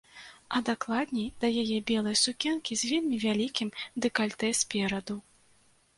А дакладней, да яе белай сукенкі з вельмі вялікім дэкальтэ спераду.